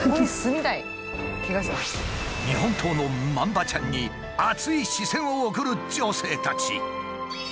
日本刀のまんばちゃんに熱い視線を送る女性たち。